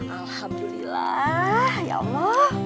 alhamdulillah ya allah